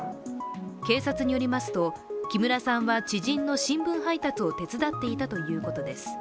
警察によりますと、木村さんは知人の新聞配達を手伝っていたということです。